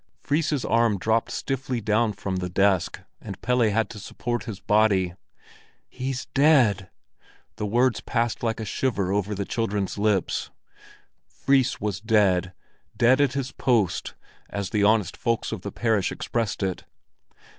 Fris's arm dropped stiffly down from the desk, and Pelle had to support his body. "He's dead!" the words passed like a shiver over the children's lips. Fris was dead—dead at his post, as the honest folks of the parish expressed it.